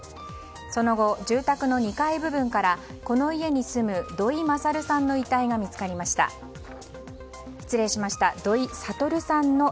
その後、住宅の２階部分からこの家に住む土井悟さんの遺体が見つかりました。